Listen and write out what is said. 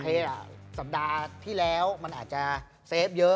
คือโอเคล่ะสัปดาห์ที่แล้วมันอาจจะเซฟเยอะ